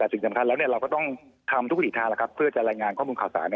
แต่สิ่งสำคัญแล้วเราก็ต้องทำทุกวิถีทางเพื่อจะรายงานข้อมูลข่าวสาร